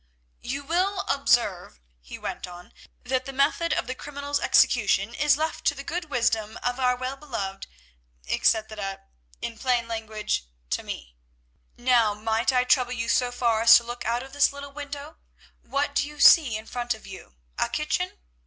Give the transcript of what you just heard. "You will observe," he went on, "that the method of the criminal's execution is left to the good wisdom of our well beloved—etc., in plain language, to me. Now might I trouble you so far as to look out of this little window? What do you see in front of you? A kitchen?